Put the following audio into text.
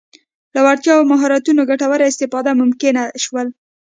له وړتیاوو او مهارتونو ګټوره استفاده ممکن شول.